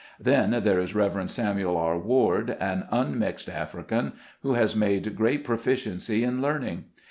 Then there is Rev. Samuel R. Ward, an unmixed African, who has made great proficiency in learning.